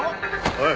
おい。